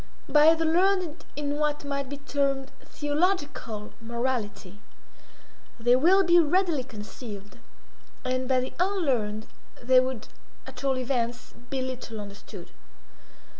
By the learned in what might be termed theological morality they will be readily conceived, and by the unlearned they would, at all events, be little understood.